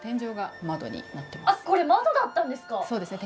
これ窓だったんですか。